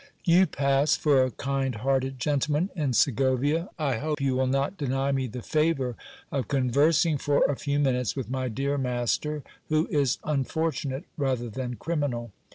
You pass for a kind hearted gentleman in Segovia ; I hope you will not deny me the favour of conversing for a few minutes with my dear mas 326 GIL BLAS. ter, who is unfortunate rather than criminal.